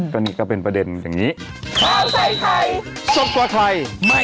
ใช่ก็นี่ก็เป็นประเด็นอย่างนี้